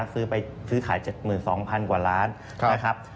ซื้อไปซื้อขาย๗๒๐๐๐กว่าล้านนะครับ